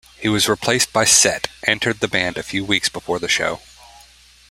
He was replaced by Set entered the band a few weeks before the show.